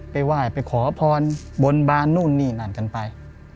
ไปไหว้ไปขอพรบนบานนู่นนี่นั่นกันไป